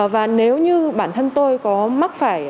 và nếu như bản thân tôi có một tình hình diễn biến phức tạp như hiện nay